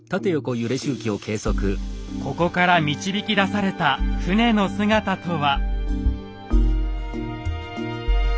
ここから導き出された船の姿とは。